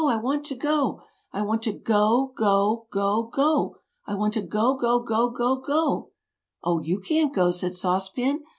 I want to go! I want to go! go! go! go! I want to go go go go! go go!" "Oh, you can't go!" said Sauce Pan.